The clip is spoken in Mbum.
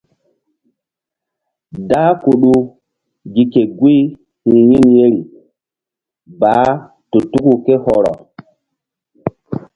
Dah Kudu gi ke guy hi̧ yin yeri baah tu tuku ké hɔrɔ.